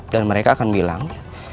dan mereka akan bilang